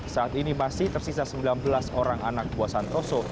saat ini masih tersisa sembilan belas orang anak buah santoso